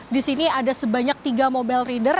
di sini ada sebanyak tiga mobile reader